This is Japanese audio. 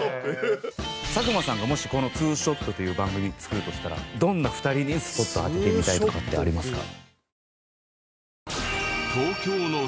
佐久間さんがもしこの『２ショット』という番組作るとしたらどんな２人にスポット当ててみたいとかってありますか。